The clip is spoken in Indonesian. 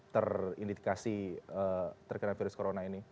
terindikasi terkena virus corona ini